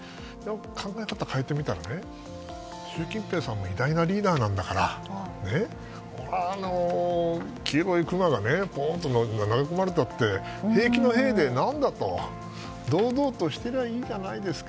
考え方を変えてみたら習近平さんも偉大なリーダーなんだから黄色いクマがぽんと投げ込まれたって平気なへえで何だと堂々としていればいいじゃないですか。